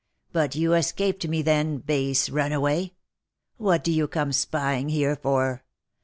But you escaped me then, base runaway ! What do you come spying here for